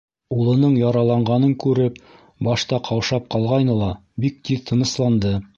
Улының яраланғанын күреп, башта ҡаушап ҡалғайны ла, бик тиҙ тынысланды.